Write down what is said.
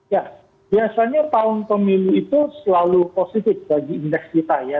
ya biasanya tahun pemilu itu selalu positif bagi indeks kita ya